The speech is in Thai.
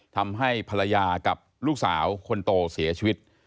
ทำให้ภรรยากับลูกสาวคนโตเสียชีวิต